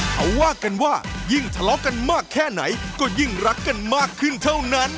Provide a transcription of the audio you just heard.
เขาว่ากันว่ายิ่งทะเลาะกันมากแค่ไหนก็ยิ่งรักกันมากขึ้นเท่านั้น